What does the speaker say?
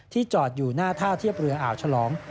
จอดอยู่หน้าท่าเทียบเรืออ่าวฉลอง